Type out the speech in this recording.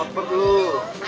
gak lapar dulu